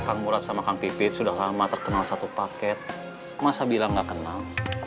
kang murad sama kang pipit sudah lama terkenal satu paket masa bilang gak kenal